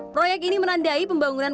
proyek ini menandai pembangunan